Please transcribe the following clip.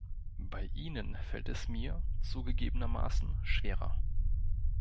Bei Ihnen fällt es mir zugegebenermaßen schwerer.